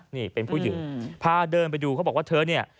นี่เป็นผู้หญิงพาเดินไปดูเขาบอกว่าเธอเนี่ย